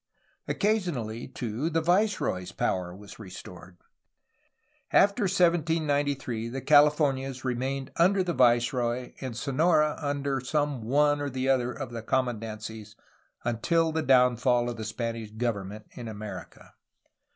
Occasionally, too, the viceroy's power was restored. After 1793 the Californias remained under the viceroy and Sonora under some one or other of the commandancies until the downfall of the Spanish government in America.